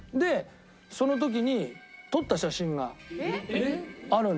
その時に撮った写真があるんだけど。